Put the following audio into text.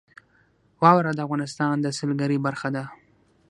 واوره د افغانستان د سیلګرۍ برخه ده.